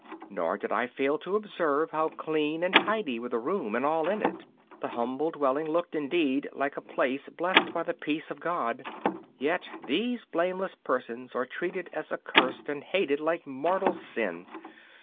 Nor did I fail to observe how clean and tidy were the room and all in it. The humble dwelling looked, indeed, like a place blessed by the peace of God. Yet these blameless persons are treated as accurst and hated like mortal sin!